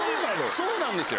そうなんですよ。